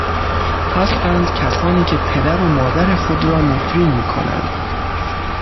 هستند کسانی که پدر و مادر خود را نفرین میکنند